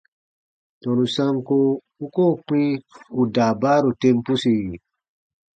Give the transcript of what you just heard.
Tɔnu sanko u koo kpĩ ù daabaaru tem pusi?